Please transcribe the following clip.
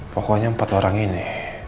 pokoknya empat orang ini